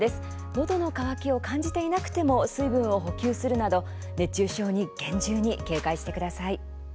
のどの渇きを感じていなくても水分を補給するなど熱中症に厳重に警戒してください。